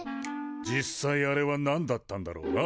実際あれはなんだったんだろうな。